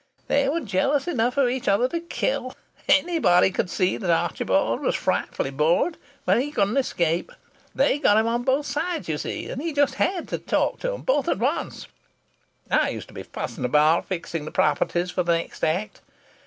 They were jealous enough of each other to kill. Anybody could see that Archibald was frightfully bored, but he couldn't escape. They got him on both sides, you see, and he just had to talk to 'em, both at once. I used to be fussing around fixing the properties for the next act.